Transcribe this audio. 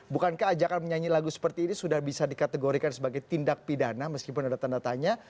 bukankah ajakan menyanyi lagu seperti ini sudah bisa dikategorikan sebagai tindak pidana meskipun ada tanda tanya